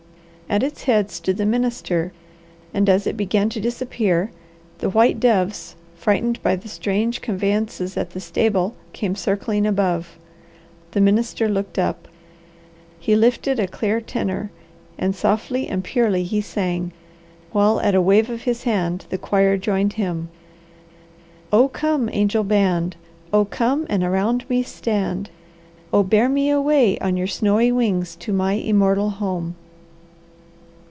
At its head stood the minister and as it began to disappear, the white doves, frightened by the strange conveyances at the stable, came circling above. The minister looked up. He lifted a clear tenor, and softly and purely he sang, while at a wave of his hand the choir joined him: "Oh, come angel band! Oh, come, and around me stand! Oh, bear me away on your snowy wings to my immortal home!"